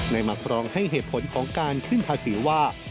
มาครองให้เหตุผลของการขึ้นภาษีว่า